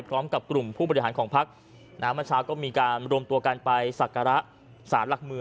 พร้อมกับกลุ่มผู้บริหารของภักดิ์นามันเช้าก็มีการรวมตัวกลังกลายไปศักระ